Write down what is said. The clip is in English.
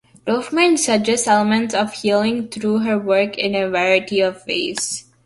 Dorfman suggests elements of healing through her work in a variety of ways.